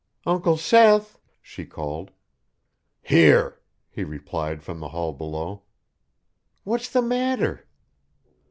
"Uncle Seth!" she called. "Here!" he replied from the hall below. "What's the matter?"